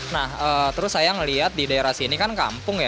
nah terus saya ngeliat di daerah sini kan kampung ya